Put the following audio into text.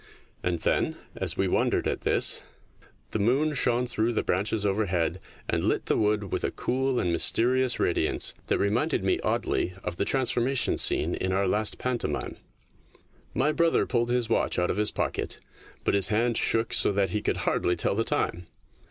And then, as we wondered at this, the moon shone through the branches overhead and lit the wood with a cool and mysterious radiance that reminded me oddly of the transformation scene in our last pantomime. My brother pulled his watch out of his pocket, but his hand shook so that he could hardly tell the time.